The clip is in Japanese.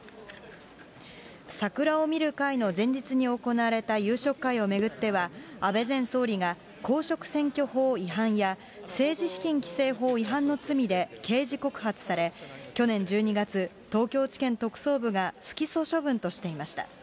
桜を見る会の前日に行われた夕食会を巡っては、安倍前総理が公職選挙法違反や、政治資金規正法違反の罪で刑事告発され、去年１２月、東京地検特捜部が不起訴処分としていました。